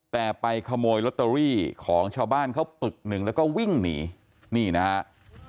แต่ไปขโมยลอตเตอรี่ของชาวบ้านเขาปึกหนึ่งแล้วก็วิ่งหนีนี่นะครับ